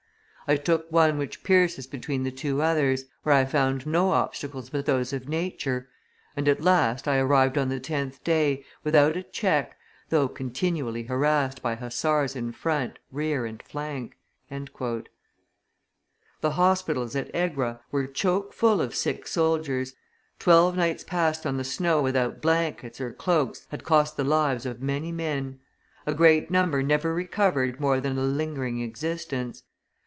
I took one which pierces between the two others, where I found no obstacles but those of nature, and, at last, I arrived on the tenth day, without a check, though continually harassed by hussars in front, rear, and flank." The hospitals at Egra were choke full of sick soldiers; twelve nights passed on the snow without blankets or cloaks had cost the lives of many men; a great number never recovered more than a lingering existence.